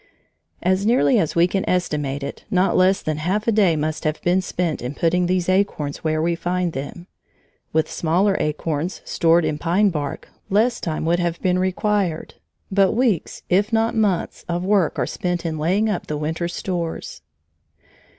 As nearly as we can estimate it, not less than half a day must have been spent in putting these acorns where we find them. With smaller acorns, stored in pine bark, less time would have been required; but weeks, if not months, of work are spent in laying up the winter's stores.